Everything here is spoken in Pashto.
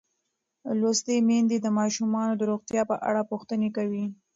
لوستې میندې د ماشومانو د روغتیا په اړه پوښتنې کوي.